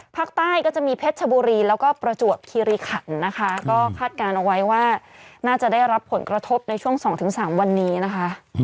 ก็จะมีเพชรชบุรีแล้วก็ประจวบคิริขันนะคะก็คาดการณ์เอาไว้ว่าน่าจะได้รับผลกระทบในช่วง๒๓วันนี้นะคะ